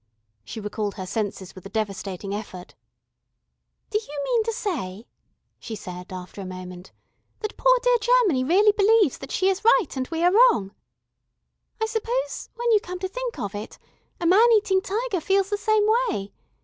She recalled her senses with a devastating effort. "Do you mean to say," she said, after a moment, "that poor dear Germany really believes that she is right and we are wrong? I suppose, when you come to think of it, a man eating tiger feels the same way.